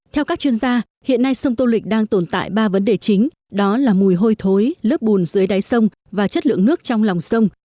theo các chuyên gia hiện nay sông tô lịch đang tồn tại ba vấn đề chính đó là mùi hôi thối lớp bùn dưới đáy sông và chất lượng nước trong lòng sông